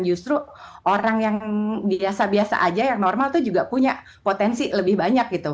justru orang yang biasa biasa aja yang normal tuh juga punya potensi lebih banyak gitu